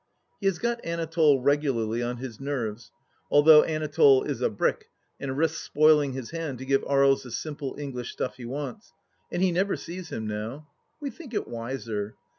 He has got Anatole regularly on his nerves, although Anatole is a brick and risks spoiling his hand to give Aries the simple English stuff he wants, and he never sees him now. We think it wiser.